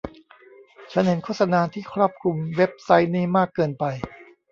ฉันเห็นโฆษณาที่ครอบคลุมเว็บไซต์นี้มากเกินไป